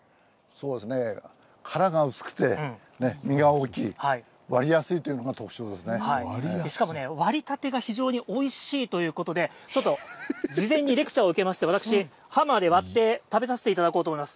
そうですね、殻が薄くて、実が大きい、割りやすいというのがしかも、割りたてが非常においしいということで、ちょっと事前にレクチャーを受けまして、私、ハンマーで割って食べさせていただこうと思います。